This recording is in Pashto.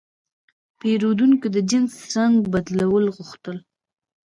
پیرودونکی د جنس رنګ بدلول غوښتل.